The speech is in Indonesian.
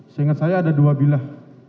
seingat saya ada dua bilah